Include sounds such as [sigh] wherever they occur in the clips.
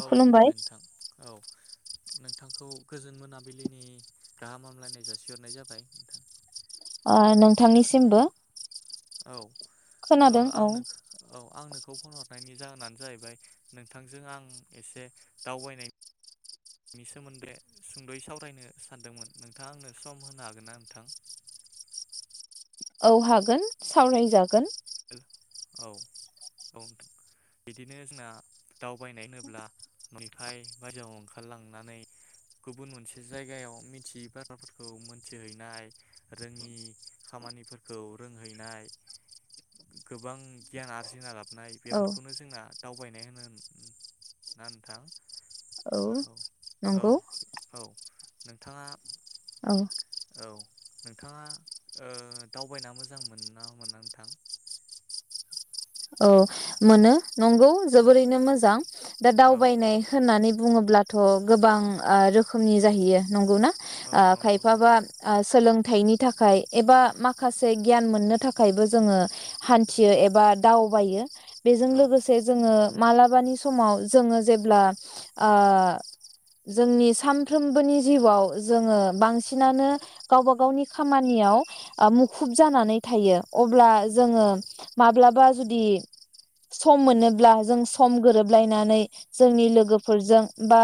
औ खुलुमबाय नोंथां औ नोंथांखौ गोजोन मोनाबिलिनि गाहाम हामलायनाय जासिहरनाय जाबाय नोंथां। ओ खोन नोंथांनिसिमबो। औ ओ खोनादों औ आंनो औ आं नों खौ फन हरनायनि जाहोनानो जाहैबाय नोंथांजों आं एसे दावबायनाय नि सोमोन्दै सुंदयै सावरायनो सानदोंमोन नोंथाङा आंनो सम होनो हागोन ना नोंथां? औ हागोन सावरायजागोन। ओ औ औथां बिदिनो जोंना दावबायनाय होनोब्ला न'निफ्राय बायजोआव ओंखारलांनानै गुबुन मोनसे जायगायाव मिथियै बाथ्राफोरखौ मोनथिहैनाय रोङि खामानिफोरखौ रोंहैनाय गोबां गियान आरजिना लाबोनाय औ बेफोरखौनो जोंना दावबायनाय होनो ना नोंथां? औ औ नंगौ औ नोंथाङा औ औ नोंथाङा दावबायना मोजां मोनो ना मोना नोंथां? औ मोनो नंगौ औ जोबोरैनो मोजां दा औ दावबायनाय होननानै बुङोब्लाथ' गोबां आ रोखोमनि जाहैयो नंगौना औ आ नंगौ नोंथां खायफाबा ओ सोलों थायाइनि थाखाय एबा माखासे गियान मोननो थाखायबो जोङो हान्थियो एबा दावबायो। बेजों औ लोगोसे जोङो मालाबानि समाव जोङो जेब्ला आ जोंनि सानफ्रोमबोनि जिउआव जोङो बांसिनानो गावबा गावनि खामानियाव ओ मुखुब जानानै थायो अब्ला जोङो औ माब्लाबा जुदि सम मोनोब्ला जों सम गोरोबलायनानै जोंनि लोगोफोरजों बा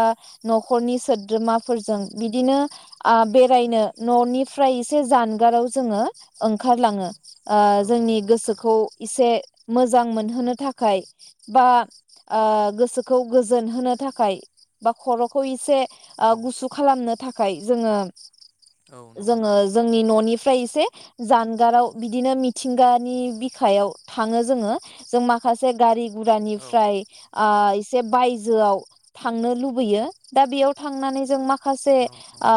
नखरनि सोद्रोमाफोरजों बिदिनो ओ बेरायनो ननिफ्राय एसे जानगाराव जोङो ओंखारलाङो आ औ जोंनि नंगौ नोंथां गोसोखौ एसे मोजां मोनहोनो थाखाय बा आ गोसोखौ गोजोन होनो थाखाय बा खरखौ एसे ओ औ गुसु खालामनो थाखाय खाय जोङो औ नंगौ जोङो नोंथां जोंनि ननि फ्राय इसे जानगाराव बिदिनो मिथिंगानि बिखायाव थाङो जोङो जों माखासे गारि औ गुरानिफ्राय आ से बायजोआव थांनो लुबैयो दा बेयाव थांनानै जों माखा खासे औ आ नंगौ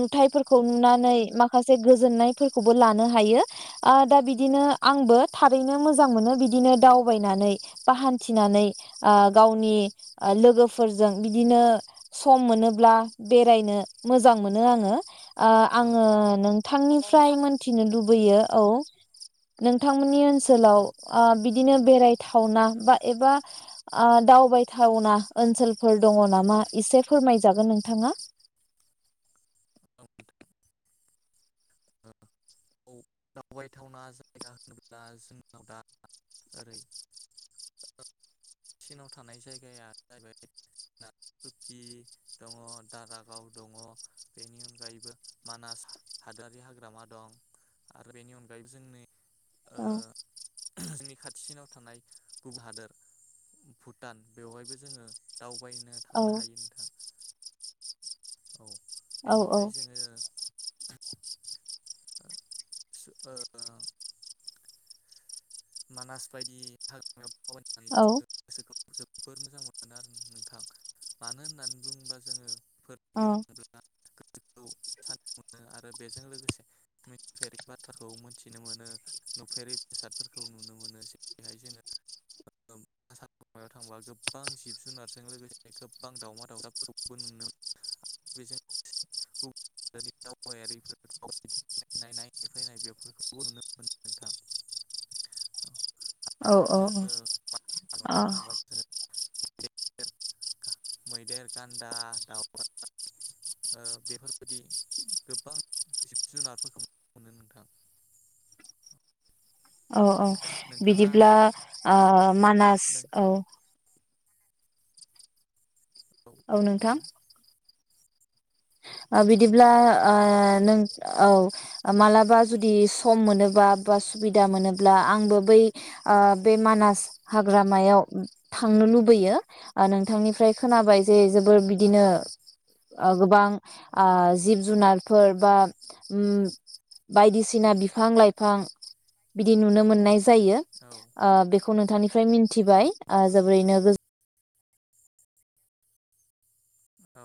नुथाइफोरखौ नुनानै माखासे गोजोननाय फोरखौबो लानो हायो। आ दा बिदिनो आंबो खारैनो मोजां मोनो बिदिनो दावबायनानै बा हान्थिनानै ओ गावनि ओ लोगोफोरजों बिदिनो सम मोनोब्ला बेरायनो मोजां मोनो आंङो। ओ औ आङो नंगौ नोंथां नोंथांनिफ्राय मोनथिनो लुब लैयो औ नोंथांमोननि ओ सोलाव औ आ बिदिनो बेरायथावना बा एबा आ दावबायथावना ओनसोलफोर दङ नामा एसे फोरमायजागोन नोंथाङा औ नोंथां औ दावबायथावना जायगा होनोब्ला जोंनाव दा ओरै ओ थिनाव थानाय जायगाया जाहैबाय कुकि दङ दारागाव दङ बेनि अनगायैबो मानास हादरारि हाग्रामा दं आरो बेनि अनगायैबो जोंनि औ सिनाव थानाय गुबु हादोर भुटान बेवहायबो जोङो दाव बायनो औ थांनो हायो नोंथां। औ औ औ बेनिफ्राय जोंङो सो ओ मानास बायदि हा [unintelligible] औ [unintelligible] जोबोर मोजां मो नो आरो नोंथां मानो होननानै बुङोबा जोङो बेफोर अ जायगायाव थांब्ला गोसोखौ सान्थि मोनो आरो बेजों लोगोसे मिथिफेरि बाथ्राखौ मोनथिनो मोनो नुफेरि बेसाद फोरखौ नुनो मोनो जे हाय जोङो [unintelligible] थांबा गोबबां जिब जुनारजों लोगोसे गोबबां दावमा दावजफोरखौबो नुनो बेजों लोग से गुबुन दावबायारिफोर नायनाय फैनाय बेफोरखौबो नुनो मोनो नोंथां। औ औ औ अ मैदेर गा मैदेर गान्दा दउराय ओ बेफोरबायदि गोबां जिब जुनारफोरखौ नुनो मोनो नोंथां औ औ नोंथाङा बिदिब्ला ओ मानास नों औ औ नोंथां ओ बिदिब्ला ओ नों औ मालाबा जुदि सम मोनोबा बा सुबिदा मोनोब्ला आंबो बै ओ बे मानास हाग्रामायाव थांनो लुबैयो नोंथांनिफ्राय खोनाबाय जे जोबोर बिदिनो ओ गोबां ओ जिब जुनारफोर बा उम बायदिसिना बिफां लाइफां बिदि नुनो मोननाय जायो औ ओ बेखौ नोंथांनि फ्राय मिनथिबाय नंगौ ओ जोबोरैनो गोजो औ